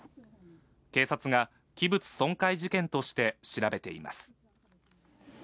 警察が器物損壊事件として調べています。